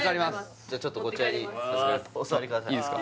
じゃあちょっとこちらにお座りくださいいいですか？